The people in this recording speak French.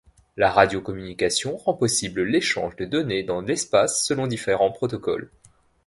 La radiocommunication rend possible l'échange de données dans l'espace selon différents protocoles.